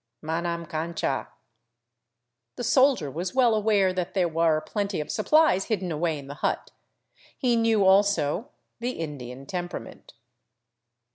" Manam cancha." The soldier was well aware that there were plenty of supplies hid den away in the hut. He knew, also, the Indian temperament.